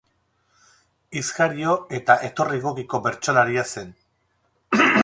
Hitz-jario eta etorri egokiko bertsolaria zen.